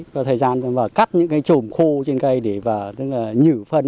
có thời gian và cắt những trùm khô trên cây để nhử phân